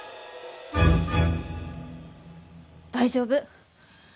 大丈夫。